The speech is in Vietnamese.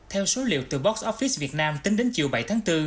theo số liệu từ box office việt nam tính đến chiều bảy tháng bốn